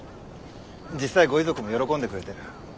実際ご遺族も喜んでくれてる。